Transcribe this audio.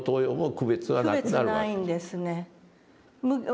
区別ないんですね。